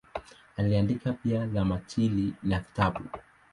Aliandika pia tamthilia na vitabu.